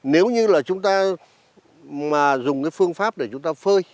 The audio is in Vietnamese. nếu như là chúng ta mà dùng cái phương pháp để chúng ta phơi